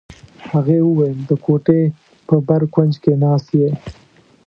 هغې وویل: د کوټې په بر کونج کې ناست یې.